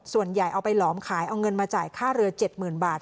ส่วนใหญ่เอาไปหลอมขายเอาเงินมาจ่ายค่าเรือ๗๐๐๐บาท